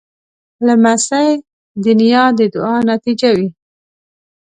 لمسی د نیا د دعا نتیجه وي.